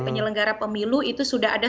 penyelenggara pemilu itu sudah ada